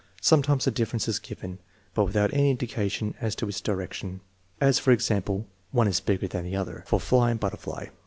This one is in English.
Sometimes a difference is given, but without any indication as to its direction, as, for ex ample, " One is bigger than the other " (for fly and butter fly).